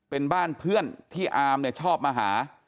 เป็นบ้านเพื่อนที่อามเนี่ยชอบมาหา